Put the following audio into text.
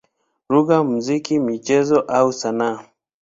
lugha, muziki, michezo au sanaa.